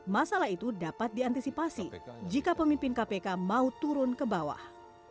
masalah itu dapat diantisipasi jika pemimpin kpk mau turun ke bawah